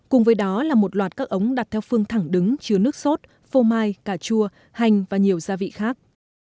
cùng với đó là một loạt các ống đặt theo phương thẳng đứng chứa nước sốt phô mai cà chua hành và nhiều gia vị khác